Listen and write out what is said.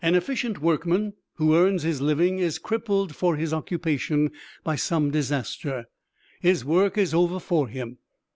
An efficient workman who earns his living is crippled for his occupation by some disaster; his work is over for him.